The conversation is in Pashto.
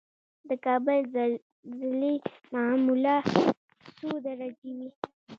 د کابل زلزلې معمولا څو درجې وي؟